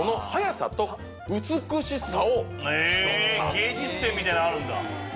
芸術点みたいなのあるんだ。